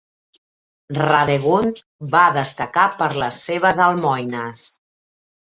Radegund va destacar per les seves almoines.